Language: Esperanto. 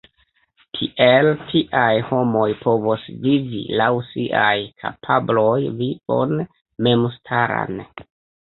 Tiel tiaj homoj povos vivi laŭ siaj kapabloj vivon memstaran.